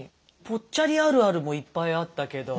ぽっちゃりあるあるもいっぱいあったけど。